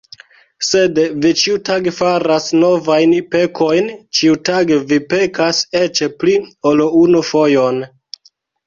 Sed vi ĉiutage faras novajn pekojn, ĉiutage vi pekas eĉ pli ol unu fojon!